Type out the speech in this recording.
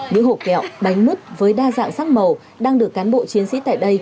đứa hộ kẹo bánh mứt với đa dạng sắc màu đang được cán bộ chiến sĩ tại đây